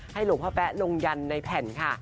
หลวงพ่อแป๊ะลงยันในแผ่นค่ะ